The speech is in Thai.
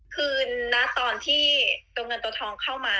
คือณตอนที่ตัวเงินตัวทองเข้ามา